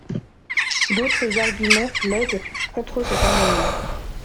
D’autres arguments plaident contre cet amendement.